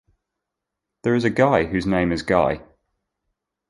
There is a guy whose name is Guy.